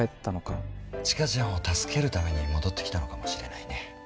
千佳ちゃんを助けるために戻ってきたのかもしれないね。